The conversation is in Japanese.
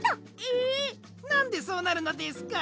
なんでそうなるのですか！